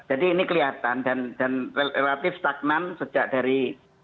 jadi ini kelihatan dan dan relatif stagnan sejak dari